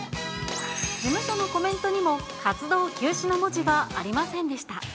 事務所のコメントにも、活動休止の文字がありませんでした。